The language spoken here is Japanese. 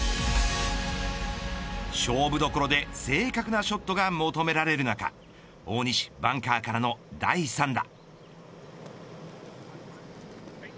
勝負どころで正確なショットが求められる中大西、バンカーからの第３打。